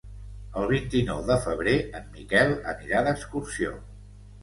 El vint-i-nou de febrer en Miquel anirà d'excursió.